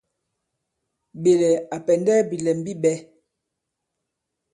Ɓɛlɛ̀ à pɛ̀ndɛ bìlɛm bi ɓɛ̄.